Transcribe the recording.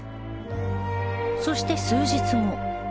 そして数日後